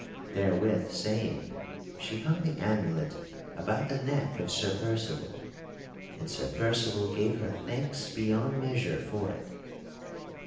Therewith saying, she hung the amulet about the neck of Sir Percival, and Sir Percival gave her thanks beyond measure for it.